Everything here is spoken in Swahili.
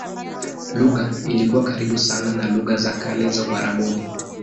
Lugha ilikuwa karibu sana na lugha za kale za Uarabuni.